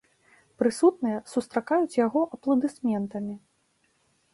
Прысутныя сустракаюць яго апладысментамі.